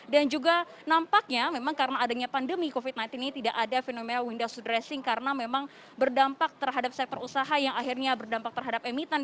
dan juga nampaknya memang karena adanya pandemi covid sembilan belas ini tidak ada fenomena windows dressing karena memang berdampak terhadap sektor usaha yang akhirnya berdampak terhadap emitan